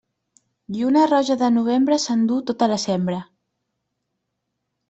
Lluna roja de novembre s'enduu tota la sembra.